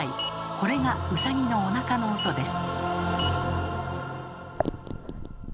これがウサギのおなかの音です。